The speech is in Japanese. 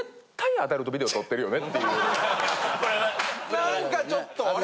何かちょっとあれ？